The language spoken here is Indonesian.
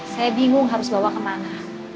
saya bingung harus bawa kemana